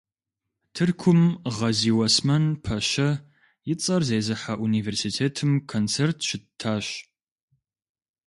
Тыркум Гъэзиуэсмэн пэщэ и цӀэр зезыхьэ университетым концерт щыттащ.